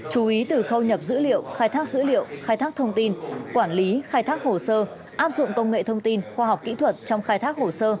chú ý từ khâu nhập dữ liệu khai thác dữ liệu khai thác thông tin quản lý khai thác hồ sơ áp dụng công nghệ thông tin khoa học kỹ thuật trong khai thác hồ sơ